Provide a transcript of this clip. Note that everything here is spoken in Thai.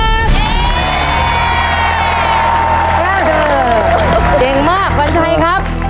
ไอ้รัเภอเก่งมากวันชัยครับ